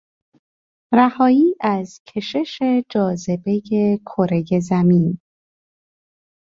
رهایی از کشش جاذبهی کرهی زمین